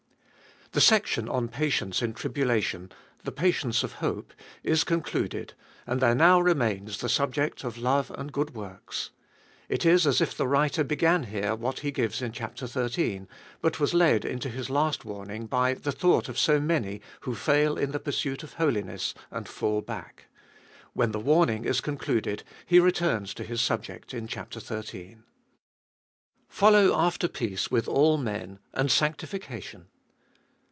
THE Section on Patience in Tribulation (the Patience of Hope), is concluded, and their now remains the subject of Love and Good Works. It is as if the writer began here what he gives in chap, xiii., but was led into his last warning by the thought of so many who fail in the pursuit of holiness and fall back. When the warning is concluded he returns to his subject in chap. xiii. Follow after peace with all men, and sanctification.